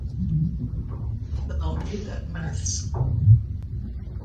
They’ll need that math.